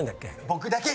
僕だけ！